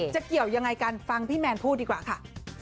เกี่ยวยังไงกันฟังพี่แมนพูดดีกว่าค่ะ